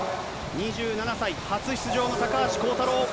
２７歳、初出場の高橋航太郎。